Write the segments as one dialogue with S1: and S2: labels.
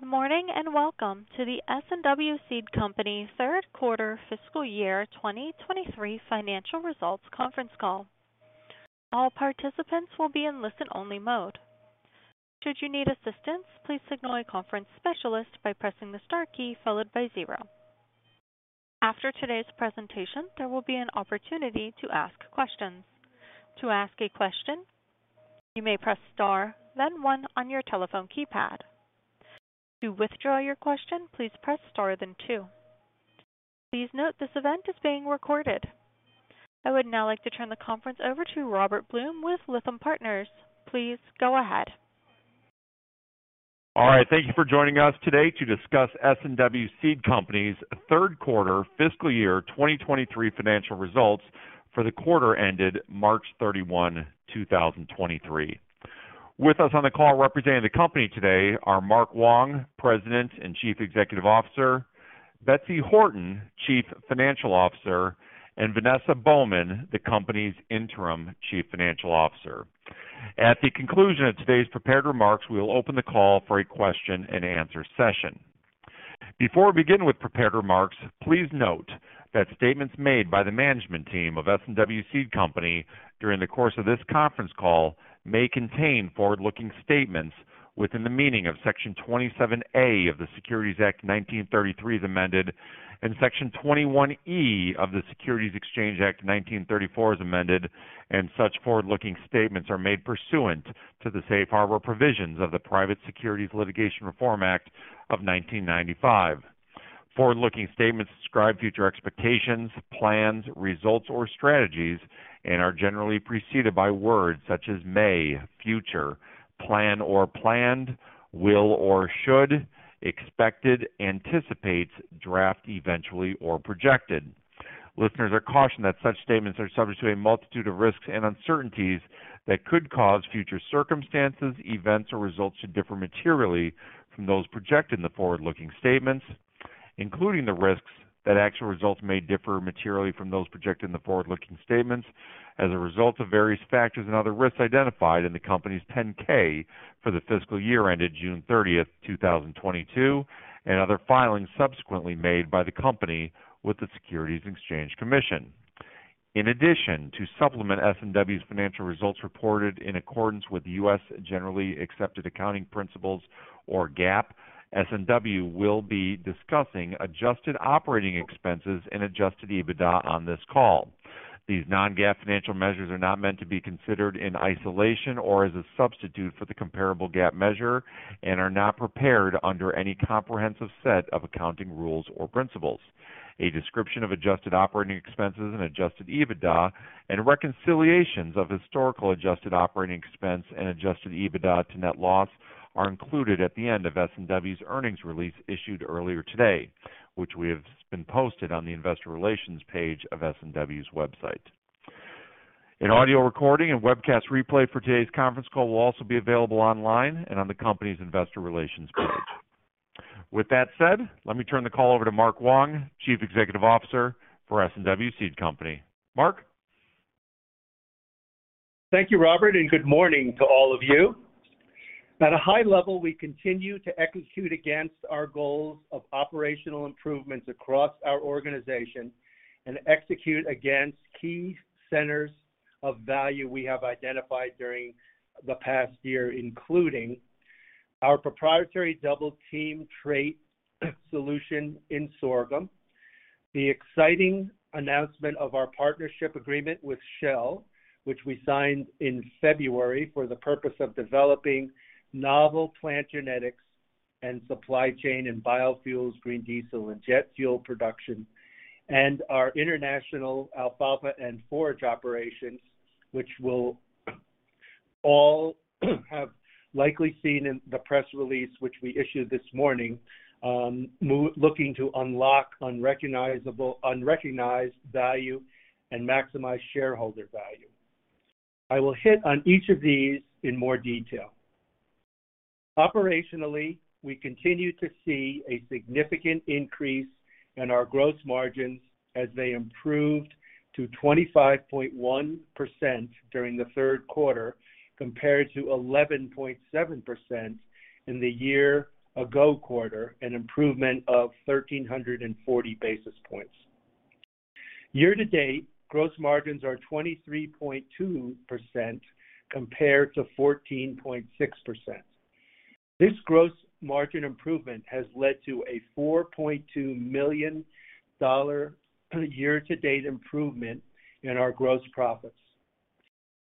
S1: Good morning, and welcome to the S&W Seed Company third quarter fiscal year 2023 financial results conference call. All participants will be in listen-only mode. Should you need assistance, please signal a conference specialist by pressing the star key followed by zero. After today's presentation, there will be an opportunity to ask questions. To ask a question, you may press star, then one on your telephone keypad. To withdraw your question, please press star, then two. Please note this event is being recorded. I would now like to turn the conference over to Robert Blum with Lytham Partners. Please go ahead.
S2: All right. Thank you for joining us today to discuss S&W Seed Company's third quarter fiscal year 2023 financial results for the quarter ended March 31, 2023. With us on the call representing the company today are Mark Wong, President and Chief Executive Officer, Betsy Horton, Chief Financial Officer, and Vanessa Baughman, the company's Interim Chief Financial Officer. At the conclusion of today's prepared remarks, we will open the call for a question-and-answer session. Before we begin with prepared remarks, please note that statements made by the management team of S&W Seed Company during the course of this conference call may contain forward-looking statements within the meaning of Section 27A of the Securities Act 1933 as amended, and Section 21E of the Securities Exchange Act 1934 as amended, and such forward-looking statements are made pursuant to the safe harbor provisions of the Private Securities Litigation Reform Act of 1995. Forward-looking statements describe future expectations, plans, results, or strategies and are generally preceded by words such as may, future, plan or planned, will or should, expected, anticipates, draft, eventually, or projected. Listeners are cautioned that such statements are subject to a multitude of risks and uncertainties that could cause future circumstances, events, or results to differ materially from those projected in the forward-looking statements, including the risks that actual results may differ materially from those projected in the forward-looking statements as a result of various factors and other risks identified in the company's 10-K for the fiscal year ended June 30, 2022, and other filings subsequently made by the company with the Securities and Exchange Commission. In addition, to supplement S&W's financial results reported in accordance with U.S. generally accepted accounting principles or GAAP, S&W will be discussing adjusted operating expenses and adjusted EBITDA on this call. These non-GAAP financial measures are not meant to be considered in isolation or as a substitute for the comparable GAAP measure and are not prepared under any comprehensive set of accounting rules or principles. A description of adjusted operating expenses and adjusted EBITDA and reconciliations of historical adjusted operating expense and adjusted EBITDA to net loss are included at the end of S&W's earnings release issued earlier today, which we have been posted on the investor relations page of S&W's website. An audio recording and webcast replay for today's conference call will also be available online and on the company's investor relations page. With that said, let me turn the call over to Mark Wong, Chief Executive Officer for S&W Seed Company. Mark?
S3: Thank you, Robert. Good morning to all of you. At a high level, we continue to execute against our goals of operational improvements across our organization and execute against key centers of value we have identified during the past year, including our proprietary Double Team trait solution in sorghum, the exciting announcement of our partnership agreement with Shell, which we signed in February for the purpose of developing novel plant genetics and supply chain in biofuels, green diesel, and jet fuel production, and our international alfalfa and forage operations, which we'll all have likely seen in the press release which we issued this morning, looking to unlock unrecognized value and maximize shareholder value. I will hit on each of these in more detail. Operationally, we continue to see a significant increase in our gross margins as they improved to 25.1% during the third quarter compared to 11.7% in the year-ago quarter, an improvement of 1,340 basis points. Year-to-date, gross margins are 23.2% compared to 14.6%. This gross margin improvement has led to a $4.2 million year-to-date improvement in our gross profits.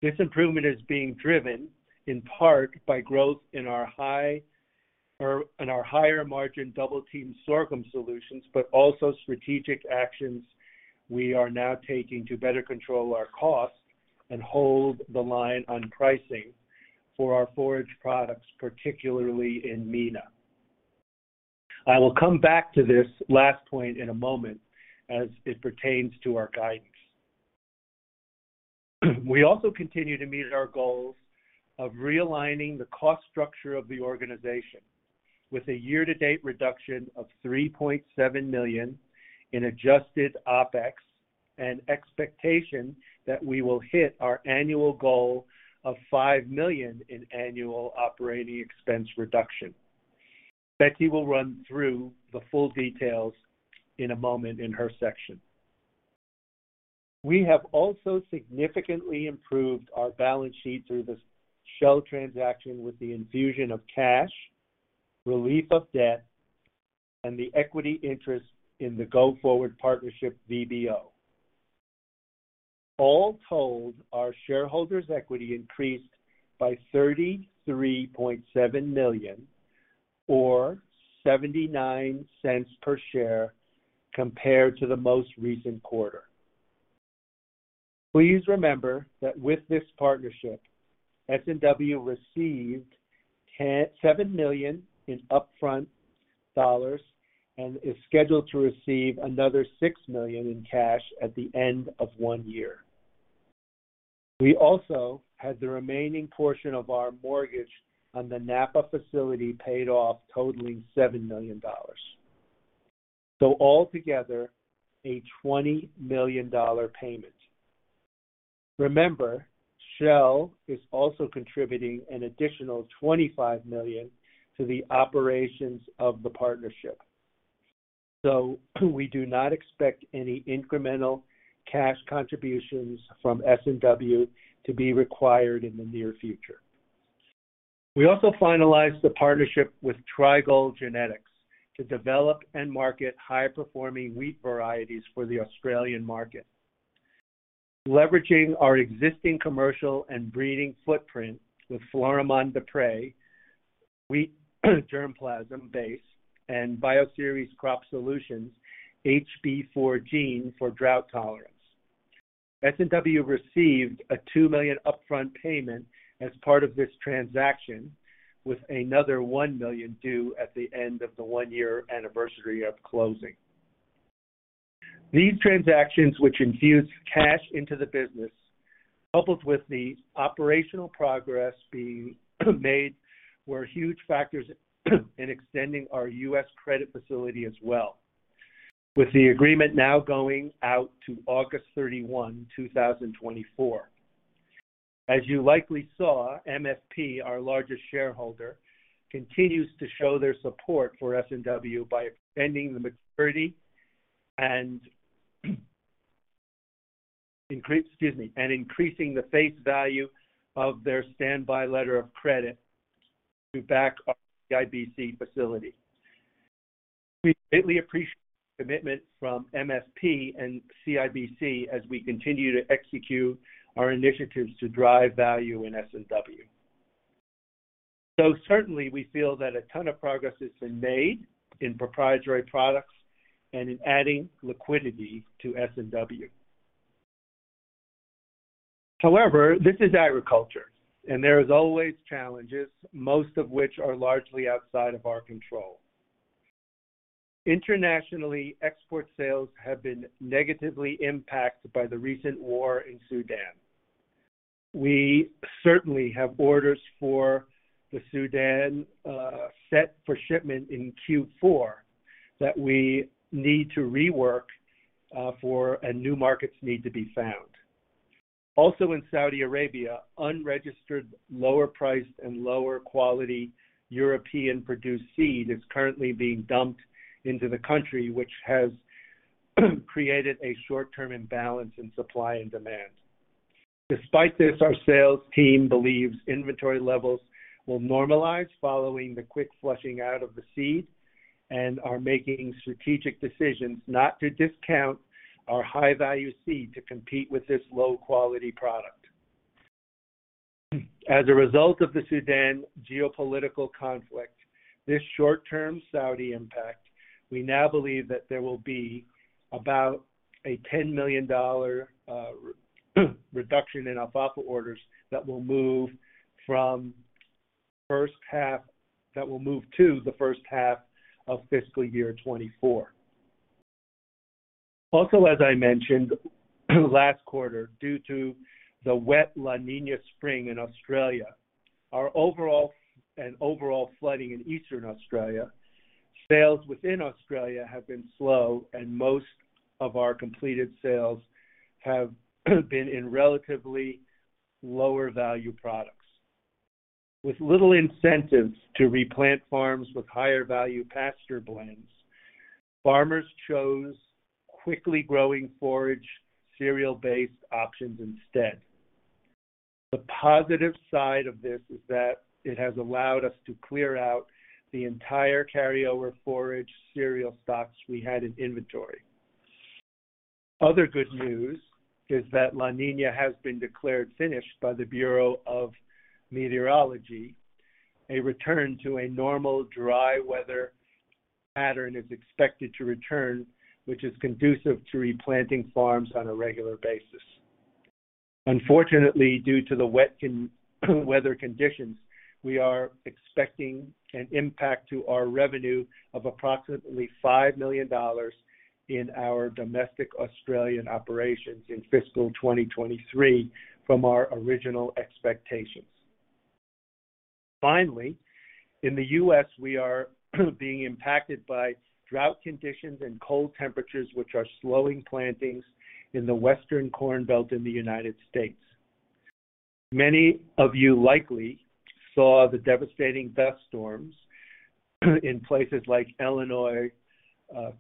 S3: This improvement is being driven in part by growth in our higher margin Double Team Sorghum Solution, but also strategic actions we are now taking to better control our costs and hold the line on pricing for our forage products, particularly in MENA. I will come back to this last point in a moment as it pertains to our guidance. We also continue to meet our goals of realigning the cost structure of the organization with a year-to-date reduction of $3.7 million in adjusted OpEx. Expectation that we will hit our annual goal of $5 million in annual operating expense reduction. Betsy will run through the full details in a moment in her section. We have also significantly improved our balance sheet through this Shell transaction with the infusion of cash, relief of debt, and the equity interest in the go-forward partnership, VBO. All told, our shareholders' equity increased by $33.7 million or $0.79 per share compared to the most recent quarter. Please remember that with this partnership, S&W received $7 million in upfront dollars and is scheduled to receive another $6 million in cash at the end of one year. We also had the remaining portion of our mortgage on the Nampa facility paid off totaling $7 million. Altogether, a $20 million payment. Remember, Shell is also contributing an additional $25 million to the operations of the partnership. We do not expect any incremental cash contributions from S&W to be required in the near future. We also finalized the partnership with Trigall Genetics to develop and market high-performing wheat varieties for the Australian market. Leveraging our existing commercial and breeding footprint with Florimond Desprez wheat germplasm base and Bioceres Crop Solutions' HB4 gene for drought tolerance. S&W received a $2 million upfront payment as part of this transaction, with another $1 million due at the end of the one-year anniversary of closing. These transactions, which infuse cash into the business, coupled with the operational progress being made, were huge factors in extending our U.S. credit facility as well, with the agreement now going out to August 31, 2024. As you likely saw, MSP, our largest shareholder, continues to show their support for S&W by extending the maturity and, excuse me, increasing the face value of their standby letter of credit to back our CIBC facility. We greatly appreciate the commitment from MSP and CIBC as we continue to execute our initiatives to drive value in S&W. Certainly, we feel that a ton of progress has been made in proprietary products and in adding liquidity to S&W. However, this is agriculture, and there is always challenges, most of which are largely outside of our control. Internationally, export sales have been negatively impacted by the recent war in Sudan. We certainly have orders for the Sudan, set for shipment in Q4 that we need to rework for, new markets need to be found. In Saudi Arabia, unregistered, lower priced and lower quality European produced seed is currently being dumped into the country, which has created a short-term imbalance in supply and demand. Despite this, our sales team believes inventory levels will normalize following the quick flushing out of the seed and are making strategic decisions not to discount our high-value seed to compete with this low-quality product. As a result of the Sudan geopolitical conflict, this short-term Saudi impact, we now believe that there will be about a $10 million reduction in alfalfa orders that will move from first half... that will move to the first half of fiscal year 2024. As I mentioned last quarter, due to the wet La Niña spring in Australia, our overall flooding in eastern Australia, sales within Australia have been slow and most of our completed sales have been in relatively lower value products. With little incentives to replant farms with higher value pasture blends, farmers chose quickly growing forage cereal-based options instead. The positive side of this is that it has allowed us to clear out the entire carryover forage cereal stocks we had in inventory. Other good news is that La Niña has been declared finished by the Bureau of Meteorology. A return to a normal dry weather pattern is expected to return, which is conducive to replanting farms on a regular basis. Unfortunately, due to the wet weather conditions, we are expecting an impact to our revenue of approximately $5 million in our domestic Australian operations in fiscal 2023 from our original expectations. In the U.S., we are being impacted by drought conditions and cold temperatures, which are slowing plantings in the Western corn belt in the United States. Many of you likely saw the devastating dust storms in places like Illinois,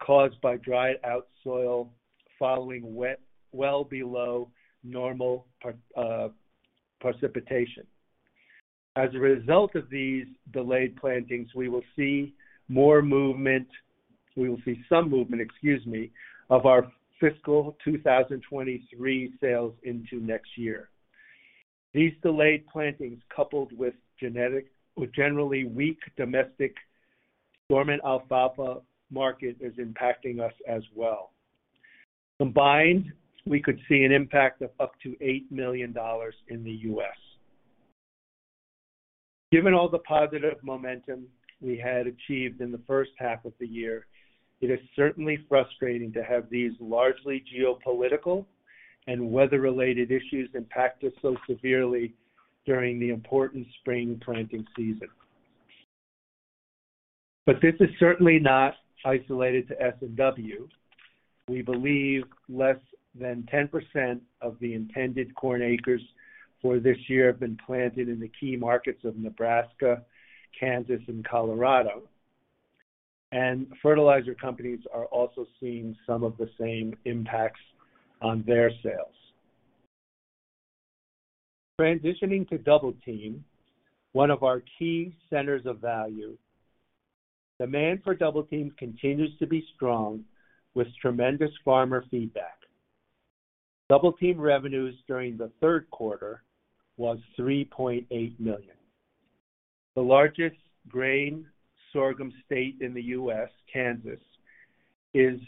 S3: caused by dried out soil following wet well below normal precipitation. As a result of these delayed plantings, we will see some movement, excuse me, of our fiscal 2023 sales into next year. These delayed plantings, coupled with genetic or generally weak domestic dormant alfalfa market, is impacting us as well. Combined, we could see an impact of up to $8 million in the U.S. Given all the positive momentum we had achieved in the first half of the year, it is certainly frustrating to have these largely geopolitical and weather-related issues impacting us so severely during the important spring planting season. This is certainly not isolated to S&W. We believe less than 10% of the intended corn acres for this year have been planted in the key markets of Nebraska, Kansas and Colorado. Fertilizer companies are also seeing some of the same impacts on their sales. Transitioning to Double Team, one of our key centers of value. Demand for Double Team continues to be strong with tremendous farmer feedback. Double Team revenues during the third quarter was $3.8 million. The largest grain sorghum state in the U.S., Kansas, is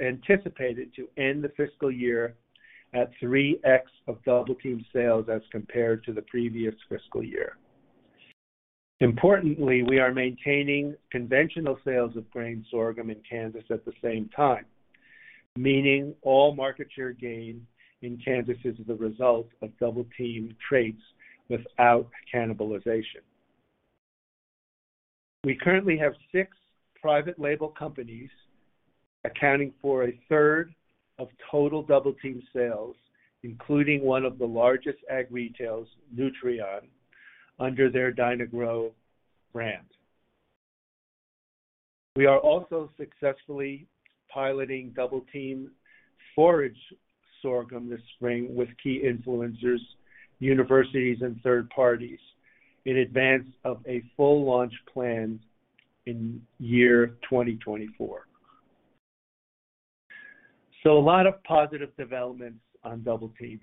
S3: anticipated to end the fiscal year at 3x of Double Team sales as compared to the previous fiscal year. Importantly, we are maintaining conventional sales of grain sorghum in Kansas at the same time, meaning all market share gain in Kansas is the result of Double Team traits without cannibonelization. We currently have 6 private label companies accounting for 1/3 of total Double Team sales, including one of the largest ag retails, Nutrien, under their Dyna-Gro brand. We are also successfully piloting Double Team forage sorghum this spring with key influencers, universities and third parties in advance of a full launch plan in year 2024. A lot of positive developments on Double Team.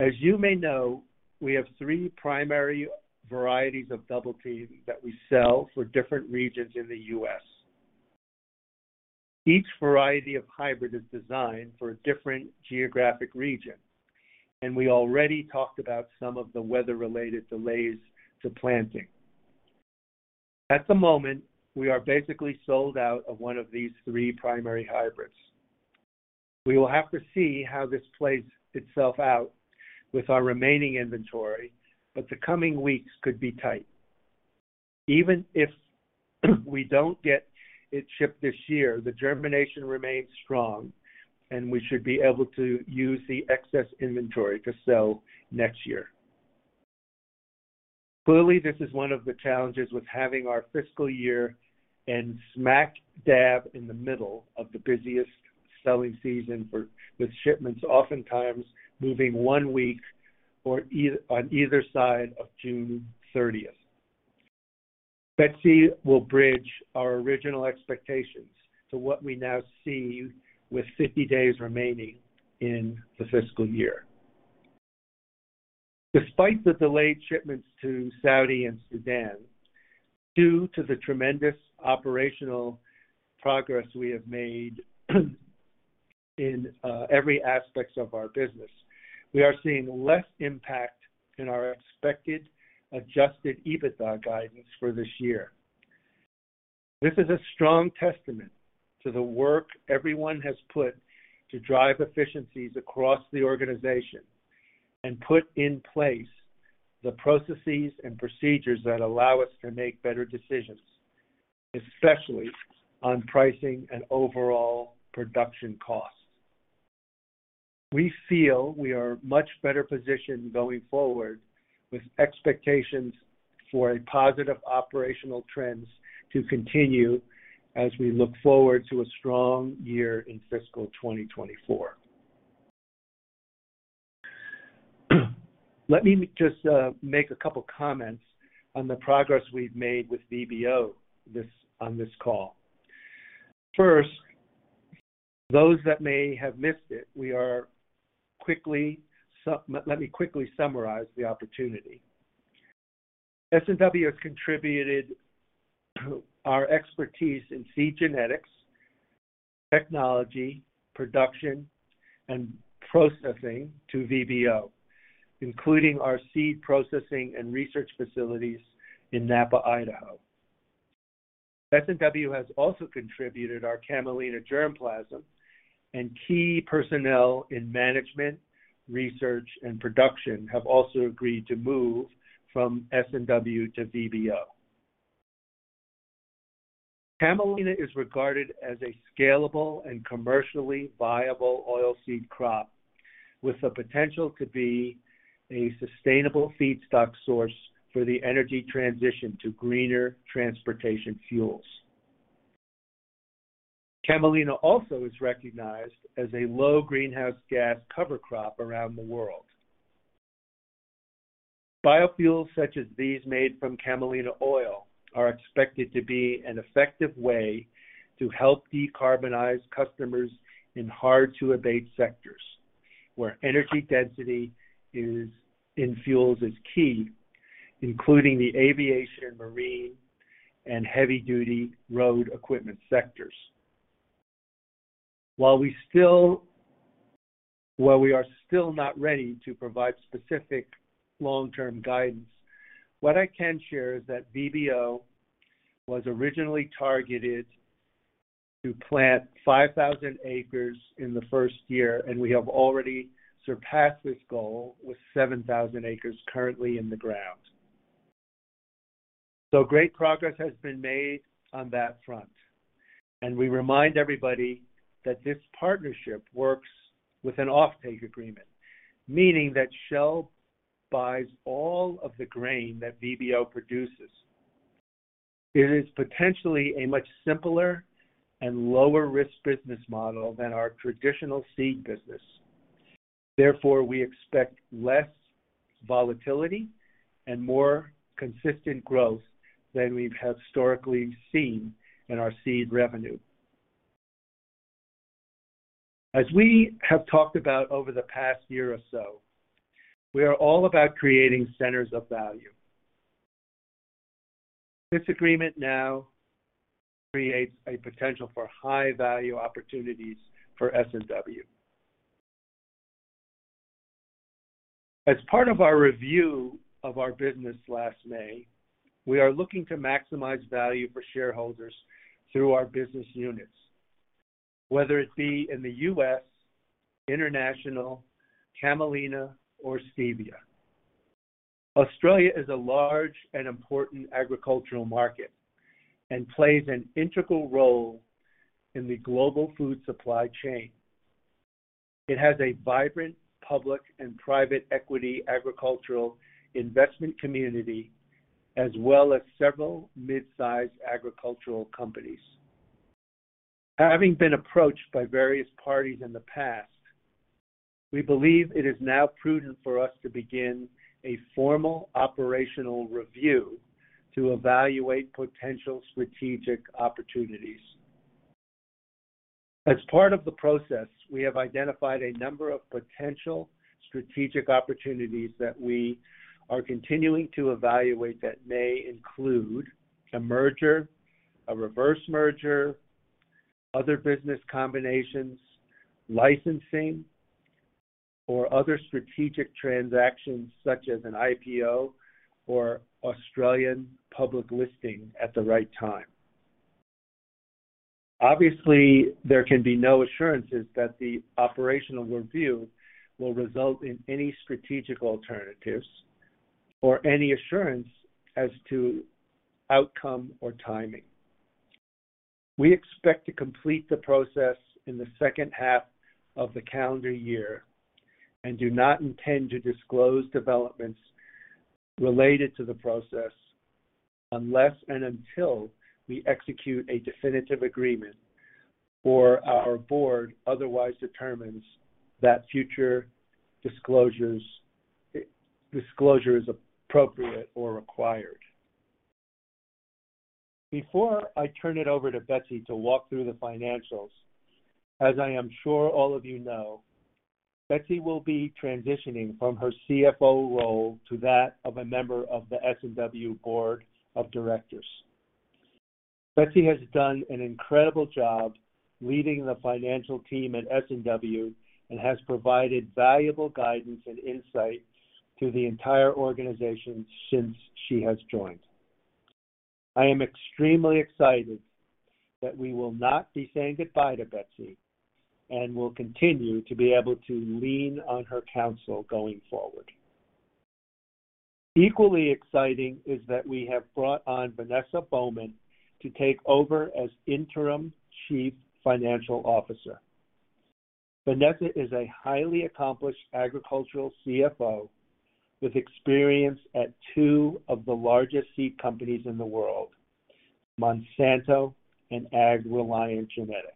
S3: As you may know, we have three primary varieties of Double Team that we sell for different regions in the U.S.. Each variety of hybrid is designed for a different geographic region, and we already talked about some of the weather-related delays to planting. At the moment, we are basically sold out of one of these three primary hybrids. We will have to see how this plays itself out with our remaining inventory, but the coming weeks could be tight. Even if we don't get it shipped this year, the germination remains strong and we should be able to use the excess inventory to sell next year. Clearly, this is one of the challenges with having our fiscal year and smack dab in the middle of the busiest selling season with shipments oftentimes moving one week on either side of June 30th. Betsy will bridge our original expectations to what we now see with 50 days remaining the fiscal year. Despite the delayed shipments to Saudi and Sudan, due to the tremendous operational progress we have made in every aspects of our business, we are seeing less impact in our expected adjusted EBITDA guidance for this year. This is a strong testament to the work everyone has put to drive efficiencies across the organization and put in place the processes and procedures that allow us to make better decisions, especially on pricing and overall production costs. We feel we are much better positioned going forward with expectations for a positive operational trends to continue as we look forward to a strong year in fiscal 2024. Let me just make a couple comments on the progress we've made with VBO on this call. First, those that may have missed it, let me quickly summarize the opportunity. S&W has contributed our expertise in seed genetics, technology, production and processing to VBO, including our seed processing and research facilities in Nampa, Idaho. S&W has also contributed our camelina germplasm and key personnel in management, research, and production have also agreed to move from S&W to VBO. Camelina is regarded as a scalable and commercially viable oilseed crop with the potential to be a sustainable feedstock source for the energy transition to greener transportation fuels. Camelina also is recognized as a low greenhouse gas cover crop around the world. Biofuels such as these made from camelina oil are expected to be an effective way to help decarbonize customers in hard-to-abate sectors where energy density is, in fuels is key, including the aviation, marine, and heavy-duty road equipment sectors. While we are still not ready to provide specific long-term guidance, what I can share is that VBO was originally targeted to plant 5,000 acres in the first year, and we have already surpassed this goal with 7,000 acres currently in the ground. Great progress has been made on that front, and we remind everybody that this partnership works with an offtake agreement, meaning that Shell buys all of the grain that VBO produces. It is potentially a much simpler and lower-risk business model than our traditional seed business. We expect less volatility and more consistent growth than we've historically seen in our seed revenue. As we have talked about over the past year or so, we are all about creating centers of value. This agreement now creates a potential for high-value opportunities for S&W. As part of our review of our business last May, we are looking to maximize value for shareholders through our business units, whether it be in the U.S., international, camelina or stevia. Australia is a large and important agricultural market and plays an integral role in the global food supply chain. It has a vibrant public and private equity agricultural investment community, as well as several mid-sized agricultural companies. Having been approached by various parties in the past, we believe it is now prudent for us to begin a formal operational review to evaluate potential strategic opportunities. As part of the process, we have identified a number of potential strategic opportunities that we are continuing to evaluate that may include a merger, a reverse merger, other business combinations, licensing or other strategic transactions such as an IPO or Australian public listing at the right time. Obviously, there can be no assurances that the operational review will result in any strategic alternatives or any assurance as to outcome or timing. We expect to complete the process in the second half of the calendar year and do not intend to disclose developments related to the process unless and until we execute a definitive agreement or our board otherwise determines that future disclosures, disclosure is appropriate or required. Before I turn it over to Betsy to walk through the financials, as I am sure all of you know, Betsy will be transitioning from her CFO role to that of a member of the S&W Board of Directors. Betsy has done an incredible job leading the financial team at S&W and has provided valuable guidance and insight to the entire organization since she has joined. I am extremely excited that we will not be saying goodbye to Betsy and will continue to be able to lean on her counsel going forward. Equally exciting is that we have brought on Vanessa Baughman to take over as Interim Chief Financial Officer. Vanessa is a highly accomplished agricultural CFO with experience at two of the largest seed companies in the world, Monsanto and AgReliant Genetics.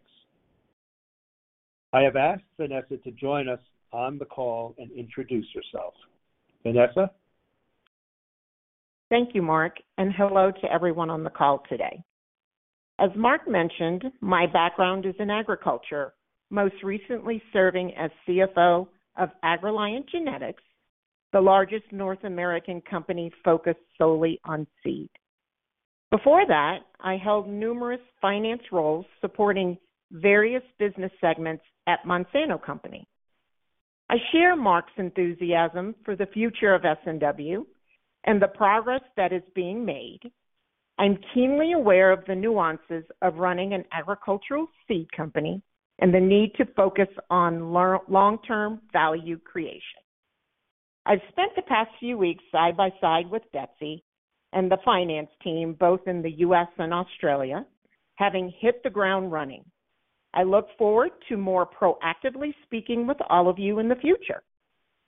S3: I have asked Vanessa to join us on the call and introduce herself. Vanessa?
S4: Thank you, Mark, and hello to everyone on the call today. As Mark mentioned, my background is in agriculture, most recently serving as CFO of AgReliant Genetics, the largest North American company focused solely on seed. Before that, I held numerous finance roles supporting various business segments at Monsanto Company. I share Mark's enthusiasm for the future of S&W and the progress that is being made. I'm keenly aware of the nuances of running an agricultural seed company and the need to focus on long-term value creation. I've spent the past few weeks side by side with Betsy and the finance team, both in the U.S. and Australia, having hit the ground running. I look forward to more proactively speaking with all of you in the future.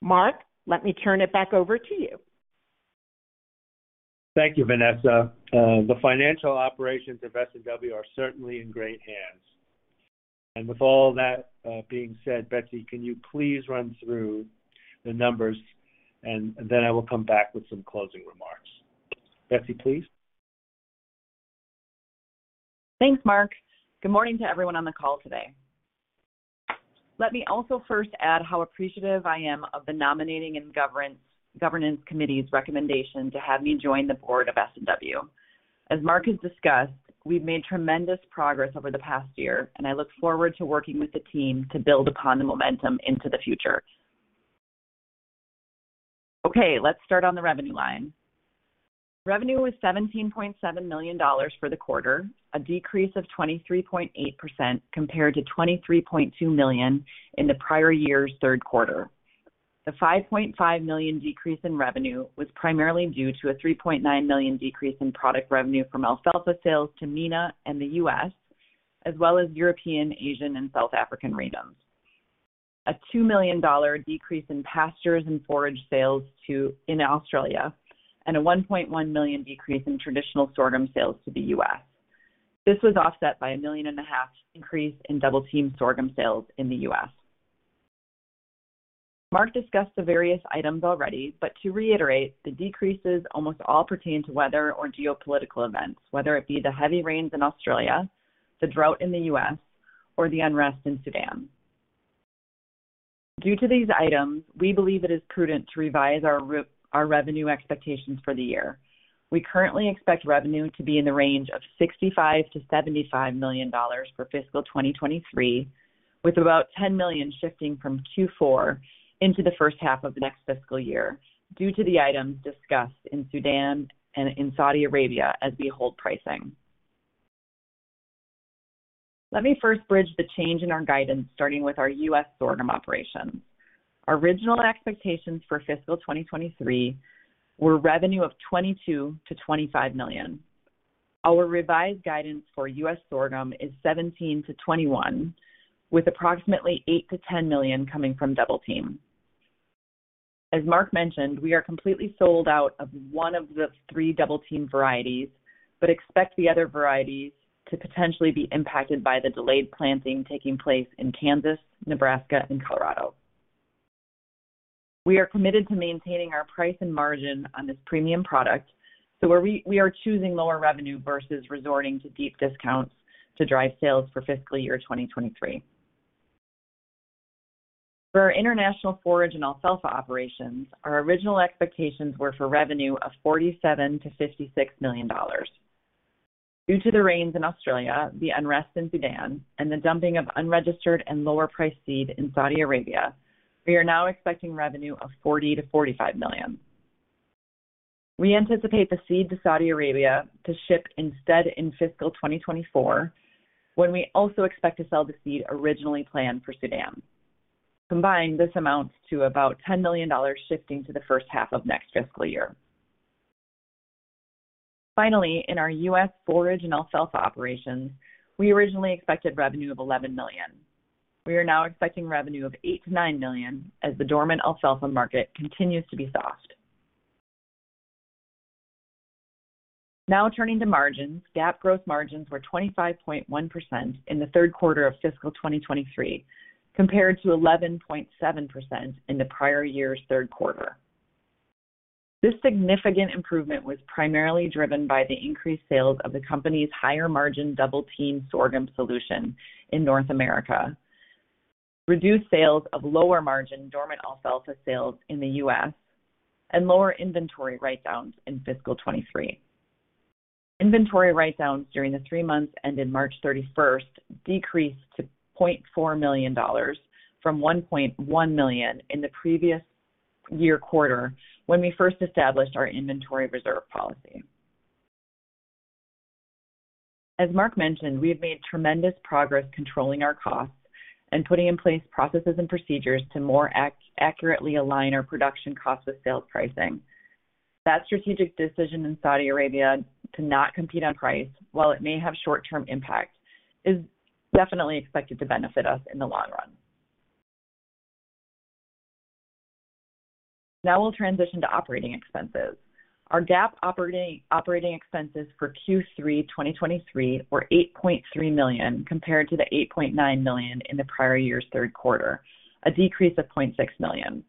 S4: Mark, let me turn it back over to you.
S3: Thank you, Vanessa. The financial operations of S&W are certainly in great hands. With all that, being said, Betsy, can you please run through the numbers, and then I will come back with some closing remarks. Betsy, please.
S5: Thanks, Mark. Good morning to everyone on the call today. Let me also first add how appreciative I am of the nominating and governance committee's recommendation to have me join the board of S&W. As Mark has discussed, we've made tremendous progress over the past year, and I look forward to working with the team to build upon the momentum into the future. Okay, let's start on the revenue line. Revenue was $17.7 million for the quarter, a decrease of 23.8% compared to $23.2 million in the prior year's third quarter. The $5.5 million decrease in revenue was primarily due to a $3.9 million decrease in product revenue from alfalfa sales to MENA and the U.S., as well as European, Asian, and South African regions. A $2 million decrease in pastures and forage sales in Australia, a $1.1 million de. rease in traditional sorghum sales to the U.S.. This was offset by a million and a half increase in Double Team Sorghum sales in the U.S. Mark discussed the various items already, but to reiterate, the decreases almost all pertain to weather or geopolitical events, whether it be the heavy rains in Australia, the drought in the U.S., or the unrest in Sudan. Due to these items, we believe it is prudent to revise our revenue expectations for the year. We currently expect revenue to be in the range of $65 million-$75 million for fiscal 2023, with about $10 million shifting from Q4 into the first half of the next fiscal year due to the items discussed in Sudan and in Saudi Arabia as we hold pricing. Let me first bridge the change in our guidance, starting with our U.S. sorghum operations. Our original expectations for fiscal 2023 were revenue of $22 million-$25 million. Our revised guidance for U.S. sorghum is $17 million-$21 million, with approximately $8 million-$10 million coming from Double Team. As Mark mentioned, we are completely sold out of one of the three Double Team varieties, expect the other varieties to potentially be impacted by the delayed planting taking place in Kansas, Nebraska, and Colorado. We are committed to maintaining our price and margin on this premium product, so where we are choosing lower revenue versus resorting to deep discounts to drive sales for fiscal year 2023. For our international forage and alfalfa operations, our original expectations were for revenue of $47 million-$56 million. Due to the rains in Australia, the unrest in Sudan, and the dumping of unregistered and lower priced seed in Saudi Arabia, we are now expecting revenue of $40 million-$45 million. We anticipate the seed to Saudi Arabia to ship instead in fiscal 2024, when we also expect to sell the seed originally planned for Sudan. Combined, this amounts to about $10 million shifting to the first half of next fiscal year. Finally, in our U.S. forage and alfalfa operations, we originally expected revenue of $11 million. We are now expecting revenue of $8 million-$9 million as the dormant alfalfa market continues to be soft. Turning to margins, GAAP gross margins were 25.1% in the third quarter of fiscal 2023, compared to 11.7% in the prior year's third quarter. This significant improvement was primarily driven by the increased sales of the company's higher-margin Double Team sorghum solution in North America, reduced sales of lower-margin dormant alfalfa sales in the U.S., and lower inventory write-downs in fiscal 2023. Inventory write-downs during the three months ended March 31st decreased to $0.4 million from $1.1 million in the previous year quarter when we first established our inventory reserve policy. As Mark mentioned, we have made tremendous progress controlling our costs and putting in place processes and procedures to more accurately align our production costs with sales pricing. That strategic decision in Saudi Arabia to not compete on price, while it may have short-term impact, is definitely expected to benefit us in the long run. Now we'll transition to operating expenses. Our GAAP operating expenses for Q3 2023 were $8.3 million, compared to the $8.9 million in the prior year's third quarter, a decrease of $0.6 million.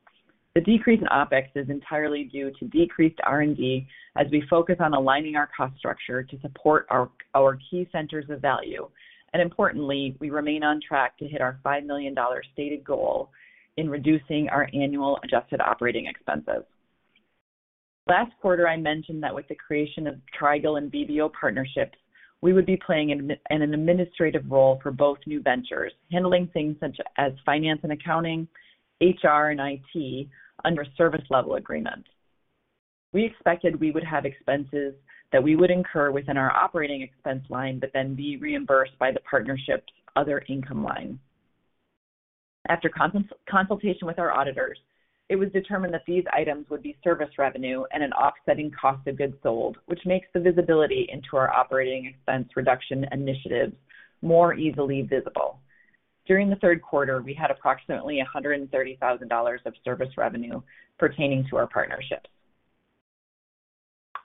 S5: The decrease in OpEx is entirely due to decreased R&D as we focus on aligning our cost structure to support our key centers of value. Importantly, we remain on track to hit our $5 million stated goal in reducing our annual adjusted operating expenses. Last quarter, I mentioned that with the creation of Trigall and VBO partnerships, we would be playing an administrative role for both new ventures, handling things such as finance and accounting, HR, and IT under service level agreement. We expected we would have expenses that we would incur within our operating expense line, but then be reimbursed by the partnership's other income line. After consultation with our auditors, it was determined that these items would be service revenue and an offsetting cost of goods sold, which makes the visibility into our operating expense reduction initiatives more easily visible. During the third quarter, we had approximately $130,000 of service revenue pertaining to our partnerships.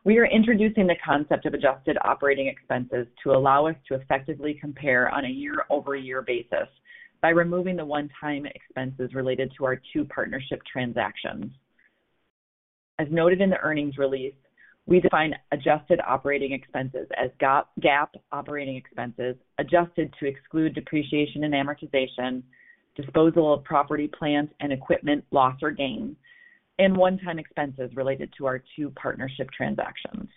S5: We are introducing the concept of adjusted operating expenses to allow us to effectively compare on a year-over-year basis by removing the one-time expenses related to our two partnership transactions. As noted in the earnings release, we define adjusted operating expenses as GAAP operating expenses adjusted to exclude depreciation and a mortization, disposal of property, plant, and equipment loss or gain, and one-time expenses related to our 2 partnership transactions.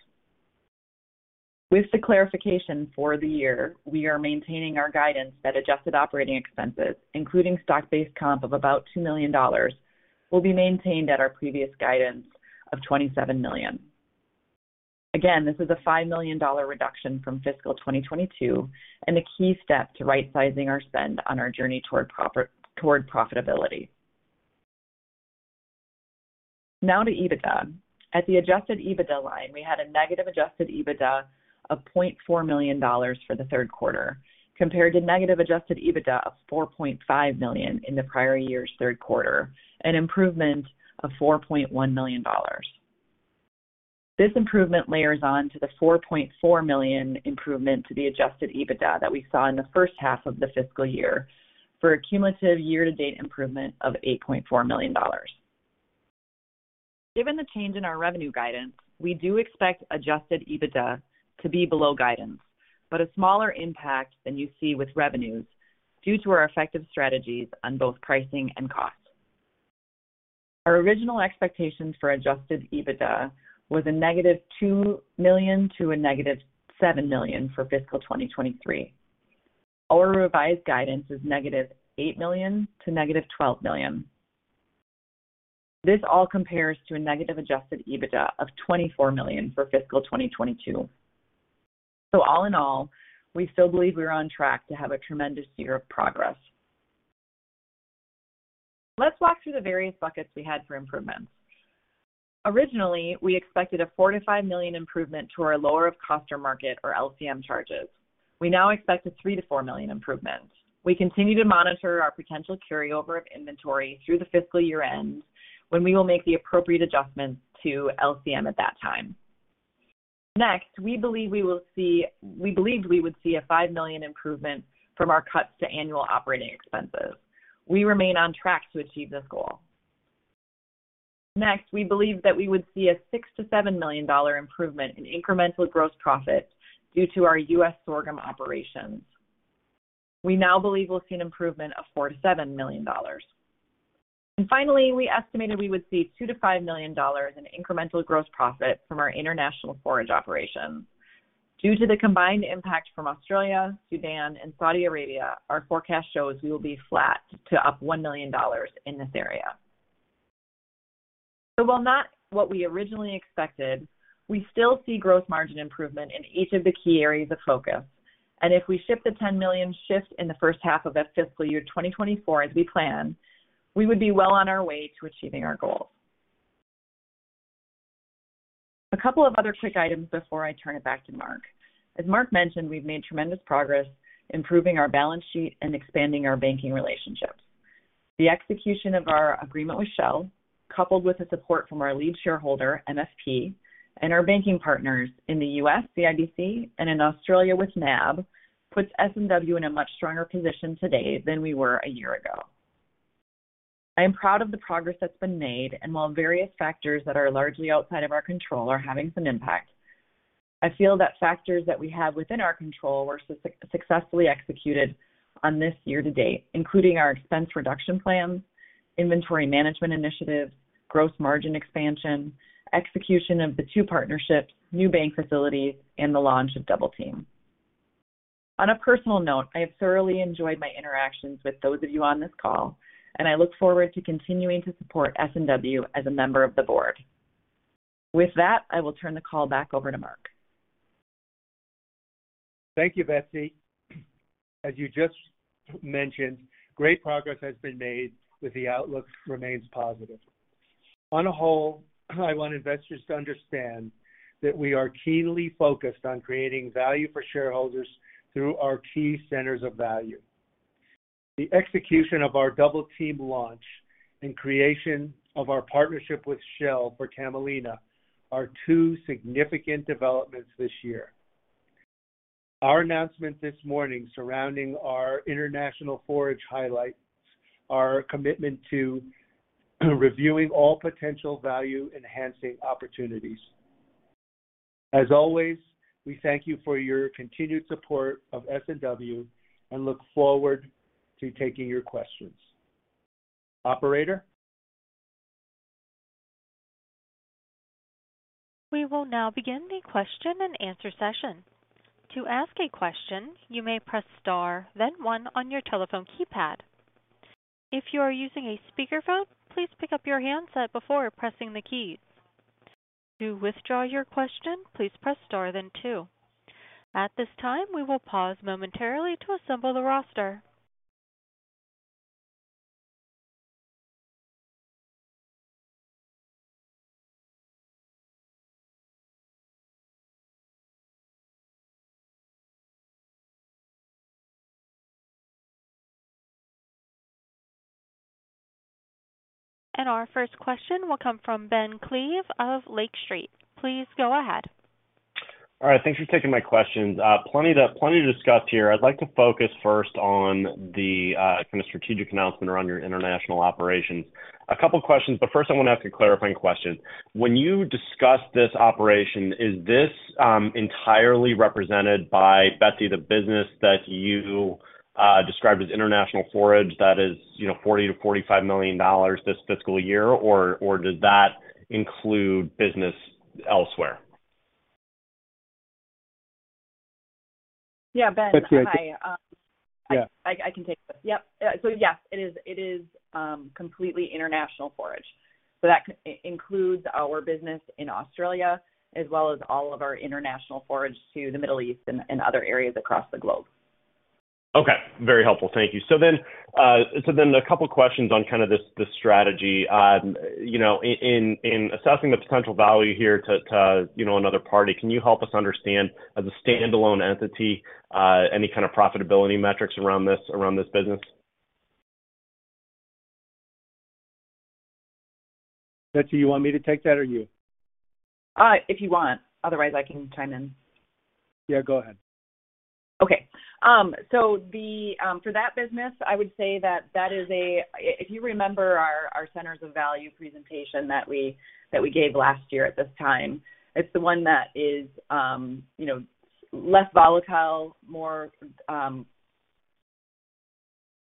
S5: With the clarification for the year, we are maintaining our guidance that adjusted operating expenses, including stock-based comp of about $2 million, will be maintained at our previous guidance of $27 million. This is a $5 million reduction from fiscal 2022 and a key step to right sizing our spend on our journey toward profitability. To EBITDA. At the adjusted EBITDA line, we had a negative adjusted EBITDA of $0.4 million for the third quarter compared to negative adjusted EBITDA of $4.5 million in the prior year's third quarter, an improvement of $4.1 million. This improvement layers on to the $4.4 million improvement to the adjusted EBITDA that we saw in the first half of the fiscal year for a cumulative year-to-date improvement of $8.4 million. Given the change in our revenue guidance, we do expect adjusted EBITDA to be below guidance, but a smaller impact than you see with revenues due to our effective strategies on both pricing and costs. Our original expectations for adjusted EBITDA was a negative $2 million to a negative $7 million for fiscal 2023. Our revised guidance is negative $8 million to negative $12 million. This all compares to a negative adjusted EBITDA of $24 million for fiscal 2022. All in all, we still believe we are on track to have a tremendous year of progress. Let's walk through the various buckets we had for improvements. Originally, we expected a $4 million-$5 million improvement to our lower of cost or market, or LCM, charges. We now expect a $3 million-$4 million improvement. We continue to monitor our potential carryover of inventory through the fiscal year-end, when we will make the appropriate adjustments to LCM at that time. Next, we believed we would see a $5 million improvement from our cuts to annual operating expenses. We remain on track to achieve this goal. Next, we believe that we would see a $6 million-$7 million improvement in incremental gross profit due to our U.S. sorghum operations. We now believe we'll see an improvement of $4 million-$7 million. Finally, we estimated we would see $2 million-$5 million in incremental gross profit from our international forage operations. Due to the combined impact from Australia, Sudan, and Saudi Arabia, our forecast shows we will be flat to up $1 million in this area. While not what we originally expected, we still see gross margin improvement in each of the key areas of focus. If we ship the $10 million shift in the first half of that fiscal year 2024 as we plan, we would be well on our way to achieving our goals. A couple of other quick items before I turn it back to Mark. As Mark mentioned, we've made tremendous progress improving our balance sheet and expanding our banking relationships. The execution of our agreement with Shell, coupled with the support from our lead shareholder, MFP, and our banking partners in the U.S., CIBC, and in Australia with NAB, puts S&W in a much stronger position today than we were a year ago. I am proud of the progress that's been made, and while various factors that are largely outside of our control are having some impact, I feel that factors that we have within our control were successfully executed on this year to date, including our expense reduction plans, inventory management initiatives, gross margin expansion, execution of the two partnerships, new bank facilities, and the launch of Double Team. On a personal note, I have thoroughly enjoyed my interactions with those of you on this call, and I look forward to continuing to support S&W as a member of the board. With that, I will turn the call back over to Mark.
S3: Thank you, Betsy. As you just mentioned, great progress has been made with the outlook remains positive. On a whole, I want investors to understand that we are keenly focused on creating value for shareholders through our key centers of value. The execution of our Double Team launch and creation of our partnership with Shell for camelina are two significant developments this year. Our announcement this morning surrounding our international forage highlights our commitment to reviewing all potential value-enhancing opportunities. As always, we thank you for your continued support of S&W and look forward to taking your questions. Operator?
S1: We will now begin the question and answer session. To ask a question, you may press star, then one on your telephone keypad. If you are using a speakerphone, please pick up your handset before pressing the keys. To withdraw your question, please press star then two. At this time, we will pause momentarily to assemble the roster. Our first question will come from Ben Klieve of Lake Street. Please go ahead.
S6: All right. Thanks for taking my questions. plenty to discuss here. I'd like to focus first on the kind of strategic announcement around your international operations. A couple of questions, but first I want to ask a clarifying question. When you discuss this operation, is this entirely represented by, Betsy, the business that you described as international forage that is, you know, $40 million-$45 million this fiscal year, or does that include business elsewhere?
S5: Yeah. Ben-
S3: Betsy, I think-
S5: Hi.
S3: Yeah.
S5: I can take this. Yep. Yes, it is completely international forage. That includes our business in Australia as well as all of our international forage to the Middle East and other areas across the globe.
S6: Okay. Very helpful. Thank you. A couple of questions on kind of this strategy. You know, in assessing the potential value here to, you know, another party, can you help us understand as a standalone entity, any kind of profitability metrics around this business?
S3: Betsy, you want me to take that or you?
S5: If you want. Otherwise, I can chime in.
S3: Yeah, go ahead.
S5: Okay. For that that business, I would say that that is a, if you remember our centers of value presentation that we, that we gave last year at this time, it's the one that is, you know, less volatile, more,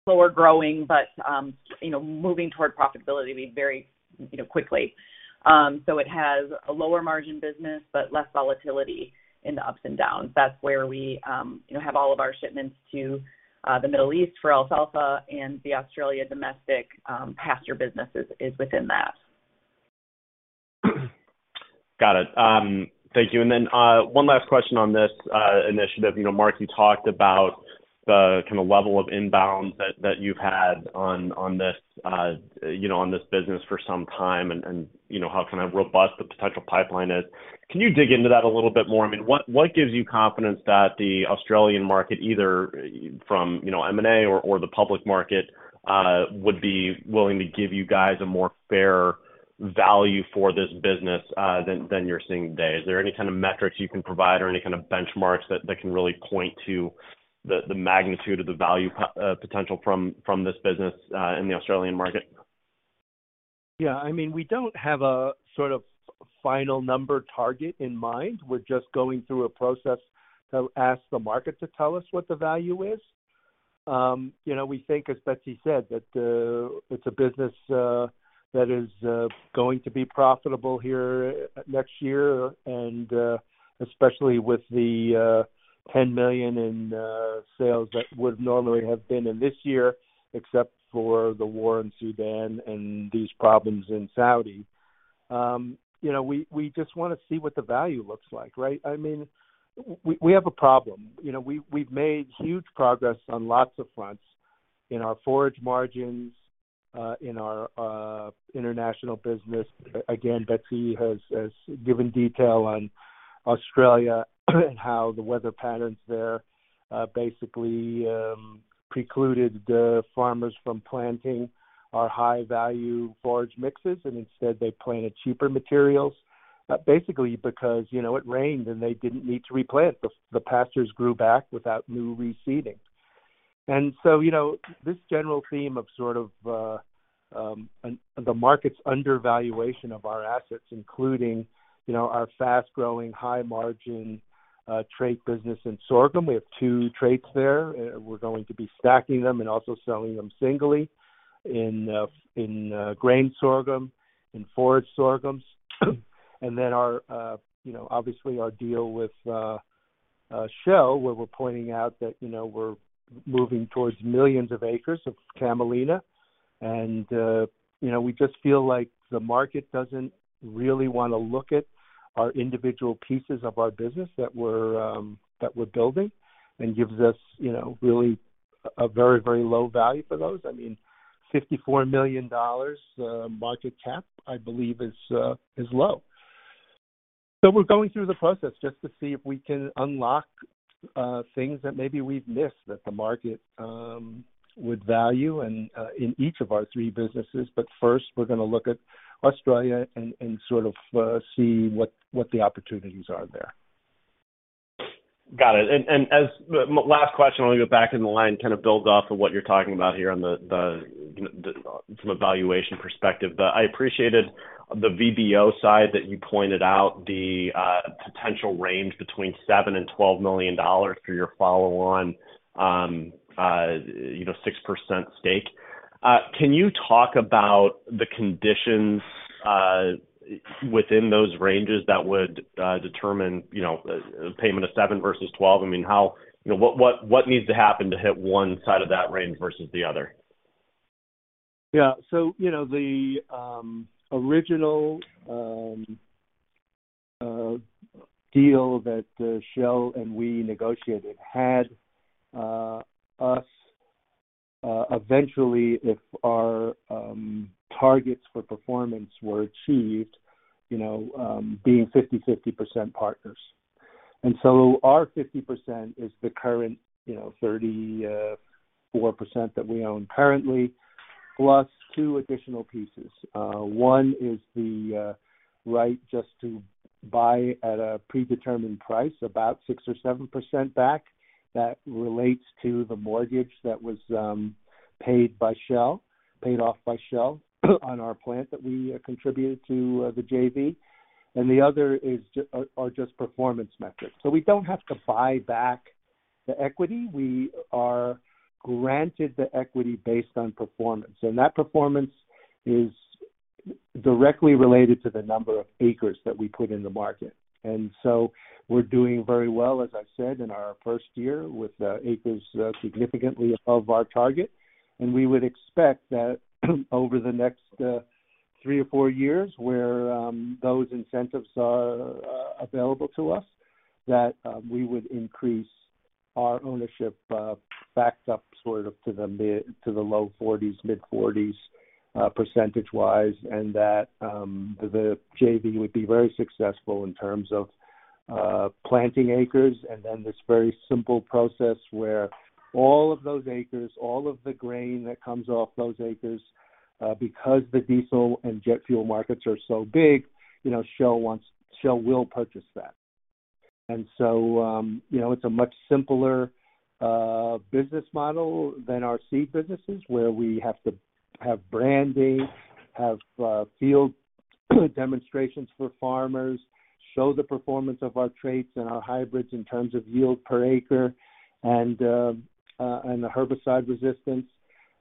S5: slower growing, but, you know, moving toward profitability we very, you know, quickly. It has a lower margin business, but less volatility in the ups and downs. That's where we, you know, have all of our shipments to the Middle East for alfalfa and the Australia domestic, pasture businesses is within that.
S6: Got it. Thank you. Then, one last question on this initiative. You know, Mark, you talked about the kind of level of inbound that you've had on this, you know, on this business for some time and, you know, how kind of robust the potential pipeline is. Can you dig into that a little bit more? I mean, what gives you confidence that the Australian market, either from, you know, M&A or the public market, would be willing to give you guys a more fair value for this business than you're seeing today? Is there any kind of metrics you can provide or any kind of benchmarks that can really point to the magnitude of the value potential from this business in the Australian market?
S3: Yeah. I mean, we don't have a final number target in mind. We're just going through a process to ask the market to tell us what the value is. You know, we think, as Betsy said, that it's a business that is going to be profitable here next year, and especially with the $10 million in sales that would normally have been in this year except for the war in Sudan and these problems in Saudi. You know, we just want to see what the value looks like, right? I mean, we have a problem. You know, we've made huge progress on lots of fronts in our forage margins, in our international business. Again, Betsy has given detail on Australia and how the weather patterns there, basically precluded the farmers from planting our high-value forage mixes, and instead, they planted cheaper materials, basically because, you know, it rained, and they didn't need to replant. The pastures grew back without new reseeding. So, you know, this general theme of sort of, the market's undervaluation of our assets, including, you know, our fast-growing, high-margin, trait business in sorghum. We have two traits there. We're going to be stacking them and also selling them singly in grain sorghum and forage sorghums. Then our, you know, obviously our deal with Shell, where we're pointing out that, you know, we're moving towards millions of acres of camelina. You know, we just feel like the market doesn't really want to look at our individual pieces of our business that we're building and gives us, you know, really a very, very low value for those. I mean, $54 million market cap, I believe is low. We're going through the process just to see if we can unlock things that maybe we've missed that the market would value in each of our three businesses. First, we're gonna look at Australia and sort of see what the opportunities are there.
S6: Got it. Last question, I'll go back in the line, kind of builds off of what you're talking about here on the, from a valuation perspective. I appreciated the VBO side that you pointed out the potential range between $7 million and $12 million for your follow-on, you know, 6% stake. Can you talk about the conditions within those ranges that would determine, you know, payment of $7 million versus $12 million? I mean, how, you know, what needs to happen to hit one side of that range versus the other?
S3: Yeah. You know, the original deal that Shell and we negotiated had us eventually, if our targets for performance were achieved, you know, being 50-50% partners. Our 50% is the current, you know, 34% that we own currently, plus two additional pieces. One is the right just to buy at a predetermined price, about 6% or 7% back. That relates to the mortgage that was paid by Shell, paid off by Shell on our plant that we contributed to the JV. The other is just performance metrics. We don't have to buy back the equity. We are granted the equity based on performance, and that performance is directly related to the number of acres that we put in the market. We're doing very well, as I said, in our first year with acres significantly above our target. We would expect that over the next 3 or 4 years where those incentives are available to us, that we would increase our ownership back up sort of to the low 40s, mid-40s percentage-wise, and that the JV would be very successful in terms of planting acres. This very simple process where all of those acres, all of the grain that comes off those acres, because the diesel and jet fuel markets are so big, you know, Shell will purchase that. You know, it's a much simpler business model than our seed businesses, where we have to have branding, have field demonstrations for farmers, show the performance of our traits and our hybrids in terms of yield per acre and the herbicide resistance.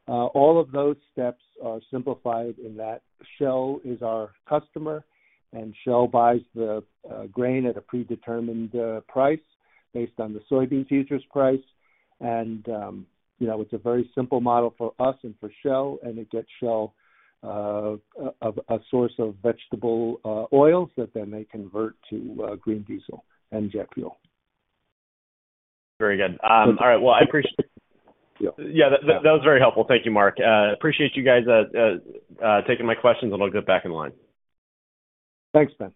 S3: All of those steps are simplified in that Shell is our customer, and Shell buys the grain at a predetermined price based on the soybean futures price. You know, it's a very simple model for us and for Shell, and it gets Shell a source of vegetable oils that then they convert to green diesel and jet fuel.
S6: Very good. All right. Well.
S3: Yeah.
S6: Yeah, that was very helpful. Thank you, Mark. Appreciate you guys taking my questions. I'll get back in line.
S3: Thanks, Ben.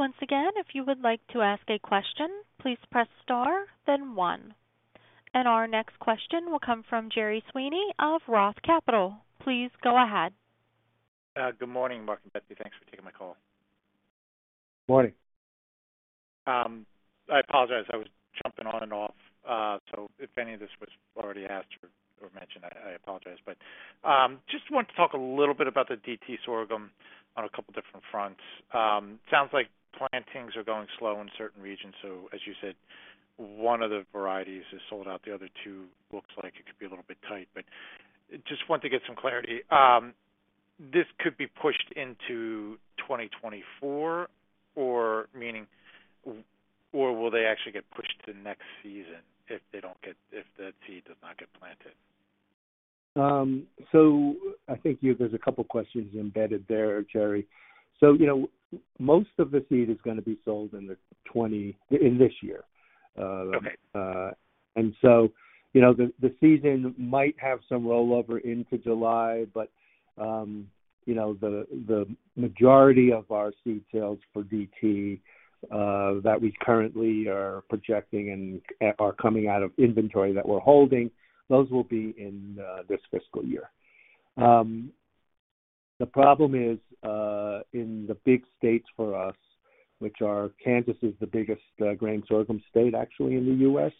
S1: Once again, if you would like to ask a question, please press star, then one. Our next question will come from Gerry Sweeney of Roth Capital. Please go ahead.
S7: Good morning, Mark and Betsy. Thanks for taking my call.
S3: Morning.
S7: I apologize. I was jumping on and off. If any of this was already asked or mentioned, I apologize. Just want to talk a little bit about the DT sorghum on a couple different fronts. Sounds like plantings are going slow in certain regions, so as you said, one of the varieties is sold out. The other two looks like it could be a little bit tight. Just want to get some clarity. This could be pushed into 2024 or meaning, or will they actually get pushed to next season if that seed does not get planted?
S3: I think there's a couple questions embedded there, Gerry. You know, most of the seed is gonna be sold in this year.
S7: Okay.
S3: You know, the season might have some rollover into July, but, you know, the majority of our seed sales for DT that we currently are projecting and are coming out of inventory that we're holding, those will be in this fiscal year. The problem is in the big states for us, which are Kansas is the biggest grain sorghum state actually in the U.S.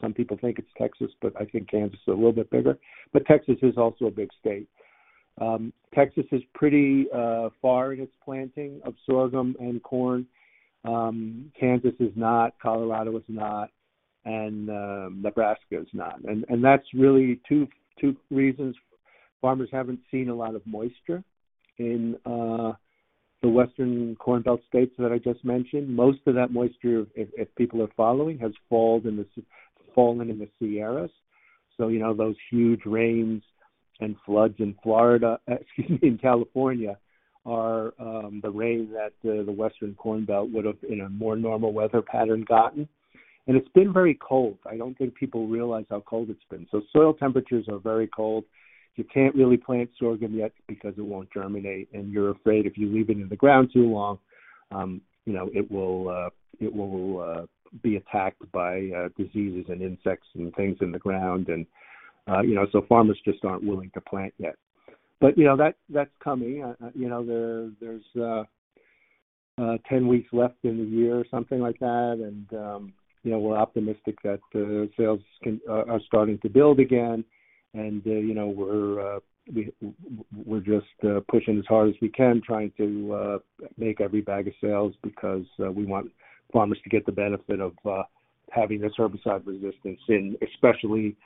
S3: Some people think it's Texas, but I think Kansas is a little bit bigger. Texas is also a big state. Texas is pretty far in its planting of sorghum and corn. Kansas is not, Colorado is not, and Nebraska is not. That's really two reasons. Farmers haven't seen a lot of moisture in the Western Corn Belt states that I just mentioned. Most of that moisture, if people are following, has fallen in the Sierras. you know, those huge rains and floods in Florida, excuse me, in California, are the rain that the Western Corn Belt would have in a more normal weather pattern gotten. It's been very cold. I don't think people realize how cold it's been. Soil temperatures are very cold. You can't really plant sorghum yet because it won't germinate, and you're afraid if you leave it in the ground too long, you know, it will be attacked by diseases and insects and things in the ground. you know, so farmers just aren't willing to plant yet. you know, that's coming. you know, there's 10 weeks left in the year or something like that. You know, we're optimistic that sales are starting to build again. You know, we're just pushing as hard as we can, trying to make every bag of sales because we want farmers to get the benefit of having this herbicide resistance, and especially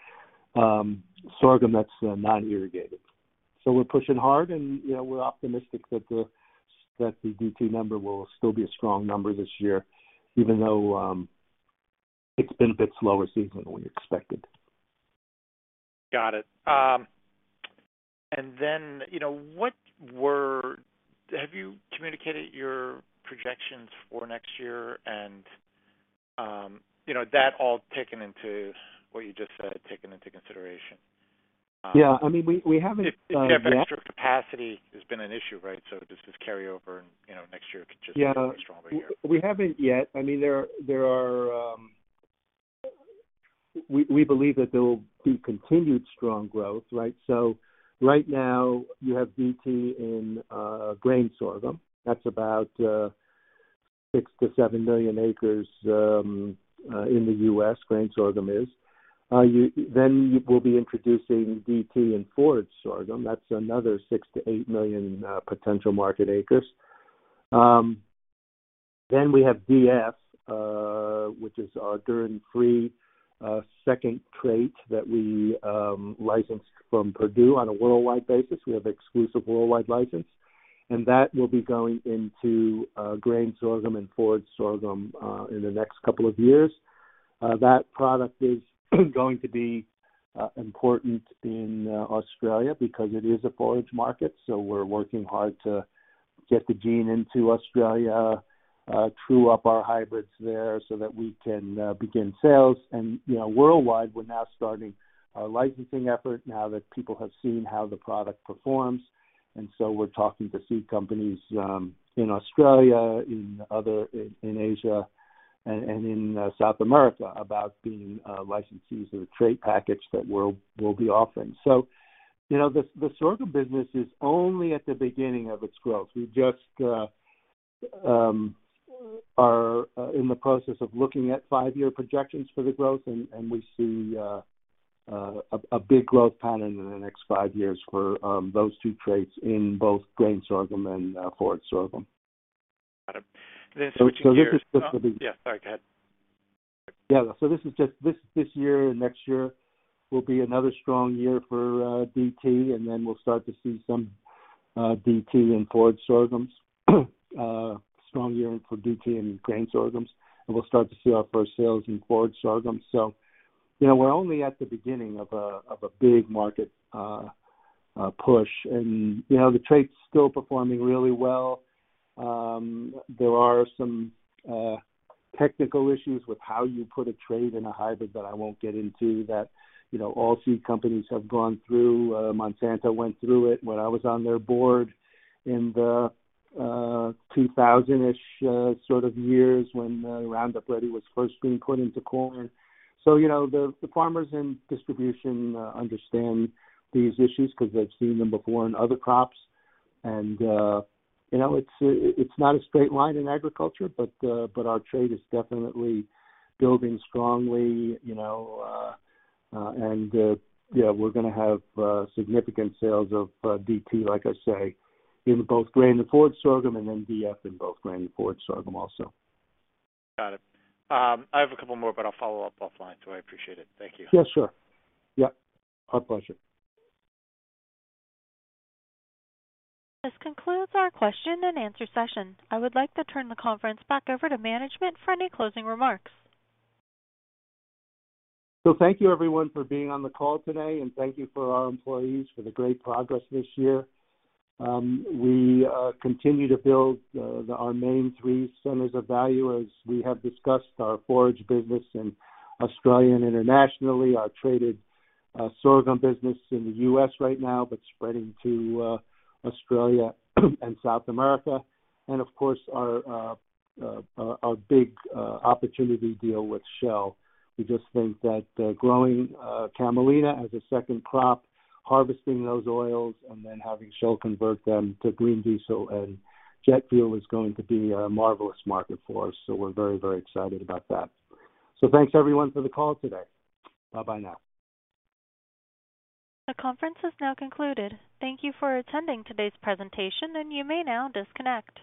S3: sorghum that's non-irrigated. We're pushing hard and, you know, we're optimistic that the DT number will still be a strong number this year, even though it's been a bit slower season than we expected.
S7: Got it. you know, Have you communicated your projections for next year? you know, that all taken into what you just said, taken into consideration.
S3: Yeah. I mean, we haven't.
S7: If you have extra capacity, it's been an issue, right? Does this carry over and, you know, next year could just be a stronger year?
S3: Yeah. We haven't yet. I mean, there are... We believe that there will be continued strong growth, right? Right now you have DT in grain sorghum. That's about six-seven million acres in the U.S. grain sorghum is. You will be introducing DT in forage sorghum. That's another six-eight million potential market acres. We have DF, which is our dhurrin-free second trait that we licensed from Purdue on a worldwide basis. We have exclusive worldwide license, and that will be going into grain sorghum and forage sorghum in the next couple of years. That product is going to be important in Australia because it is a forage market, so we're working hard to get the gene into Australia, true up our hybrids there so that we can begin sales. You know, worldwide, we're now starting our licensing effort now that people have seen how the product performs. We're talking to seed companies in Australia, in Asia and in South America about being licensees of the trade package that we're, we'll be offering. You know, the sorghum business is only at the beginning of its growth We just are in the process of looking at five-year projections for the growth and we see a big growth pattern in the next five years for those two traits in both grain sorghum and forage sorghum.
S7: Got it. Switching gears.
S3: This is.
S7: Oh, yeah, sorry. Go ahead.
S3: This year and next year will be another strong year for DT, and then we'll start to see some DT in forage sorghums. Strong year for DT in grain sorghums, and we'll start to see our first sales in forage sorghum. You know, we're only at the beginning of a big market push and, you know, the trait's still performing really well. There are some technical issues with how you put a trait in a hybrid that I won't get into that, you know, all seed companies have gone through. Monsanto went through it when I was on their board in the 2000-ish sort of years when Roundup Ready was first being put into corn. You know, the farmers in distribution understand these issues because they've seen them before in other crops. You know, it's not a straight line in agriculture, but our trade is definitely building strongly, you know, and yeah, we're gonna have significant sales of DT, like I say, in both grain and forage sorghum and then DF in both grain and forage sorghum also.
S7: Got it. I have a couple more, but I'll follow up offline. I appreciate it. Thank you.
S3: Yeah, sure. Yep, our pleasure.
S1: This concludes our question and answer session. I would like to turn the conference back over to management for any closing remarks.
S3: Thank you everyone for being on the call today, and thank you for our employees for the great progress this year. We continue to build our main three centers of value as we have discussed our forage business in Australia and internationally, our traded sorghum business in the U.S. right now, but spreading to Australia and South America, and of course our big opportunity deal with Shell. We just think that growing camelina as a second crop, harvesting those oils, and then having Shell convert them to green diesel and jet fuel is going to be a marvelous market for us, we're very, very excited about that. Thanks everyone for the call today. Bye-bye now.
S1: The conference has now concluded. Thank you for attending today's presentation. You may now disconnect.